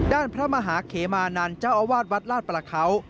ด้านพระมหาเขมานั่นเจ้าอวาดวัดลาดประเขา